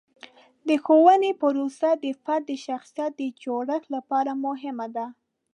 د ښوونې پروسه د فرد د شخصیت د جوړښت لپاره مهمه ده.